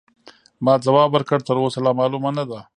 ما ځواب ورکړ: تراوسه لا معلومه نه ده.